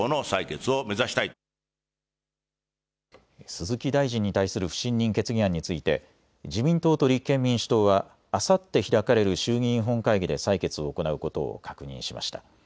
鈴木大臣に対する不信任決議案について自民党と立憲民主党はあさって開かれる衆議院本会議で採決を行うことを確認しました。